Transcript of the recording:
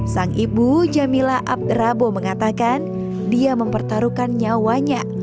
sang ibu jamila abderabo mengatakan dia mempertaruhkan nyawanya